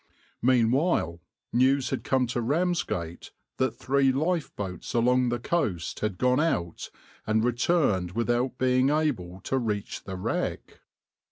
Meanwhile, news had come to Ramsgate that three lifeboats along the coast had gone out and returned without being able to reach the wreck.